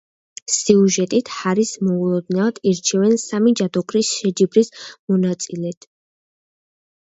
სიუჟეტით, ჰარის მოულოდნელად ირჩევენ სამი ჯადოქრის შეჯიბრის მონაწილედ.